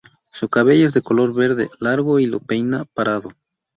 Su cabello es de color verde, largo y lo peina parado.